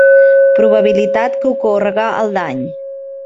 Probabilitat que ocórrega el dany.